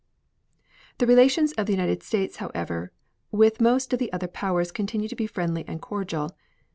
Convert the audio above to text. The relations of the United States, however, with most of the other powers continue to be friendly and cordial.